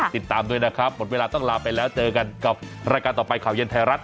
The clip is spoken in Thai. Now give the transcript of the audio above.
ติดตามด้วยนะครับหมดเวลาต้องลาไปแล้วเจอกันกับรายการต่อไปข่าวเย็นไทยรัฐ